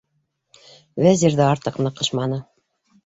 Вәзир ҙә артыҡ ныҡышманы.